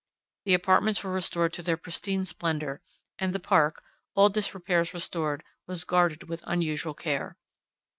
The apartments were restored to their pristine splendour, and the park, all disrepairs restored, was guarded with unusual care.